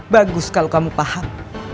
bagus kalau kamu paham